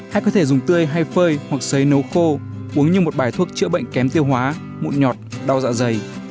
khách có thể dùng tươi hay phơi hoặc xấy nấu khô như một bài thuốc chữa bệnh kém tiêu hóa mụn nhọt đau dạ dày